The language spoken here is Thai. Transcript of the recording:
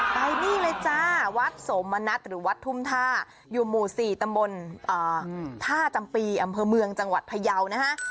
ไปนี่เลยจ้าวัดสมณัฐหรือวัดทุ่มท่าอยู่หมู่๔ตำบลท่าจำปีอำเภอเมืองจังหวัดพยาวนะฮะ